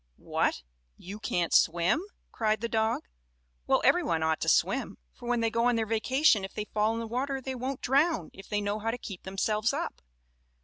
"What! You can't swim?" cried the dog. "Well, every one ought to swim, for when they go on their vacation if they fall in the water they won't drown if they know how to keep themselves up.